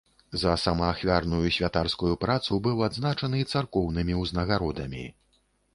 За самаахвярную святарскую працу быў адзначаны царкоўнымі ўзнагародамі.